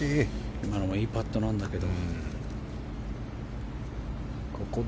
今のもいいパットなんだけど。